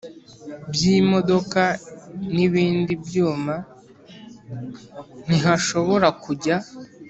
by imodoka n ibindi byuma ntihashobora kujya